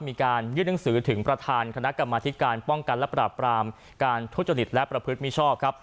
มีการยื่นหนังสือถึงประธานคณะกรรมธิการป้องกันและปราบปรามการทุจริตและประพฤติมิชอบครับ